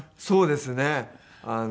そうですね。